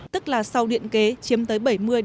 tức là sau điện kế chiếm tới bảy mươi năm mươi